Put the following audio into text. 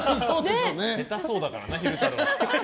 下手そうだからな、昼太郎は。